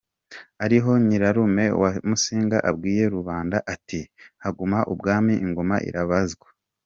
Ariho nyirarume wa Musinga abwiye rubanda ati: “Haguma umwami, ingoma irabazwa”.